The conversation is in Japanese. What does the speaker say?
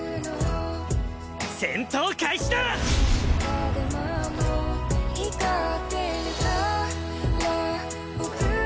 戦闘開始だ‼え？